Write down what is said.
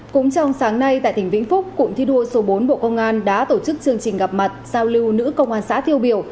cũng trong sáng nay tại tỉnh vĩnh phúc cụm thi đua số bốn bộ công an đã tổ chức chương trình gặp mặt giao lưu nữ công an xã tiêu biểu